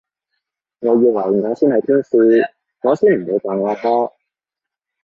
我以為我先係天使，我先唔會扮惡魔